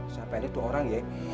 siapa ini dua orang ya